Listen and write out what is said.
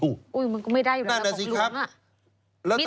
มันก็ไม่ได้อยู่แล้วบอกหลวงอะ